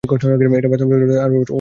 এটা বাস্তবসম্মত ছিল, আর ওরা সেটা জানত।